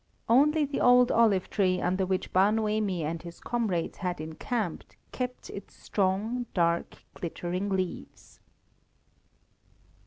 Only the old olive tree under which Bar Noemi and his comrades had encamped, kept its strong, dark, glittering leaves.